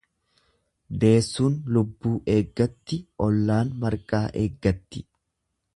Deessuun lubbuu eeggatti ollaan marqaa eeggatti.